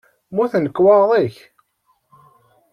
Mmuten lekwaɣeḍ-ik?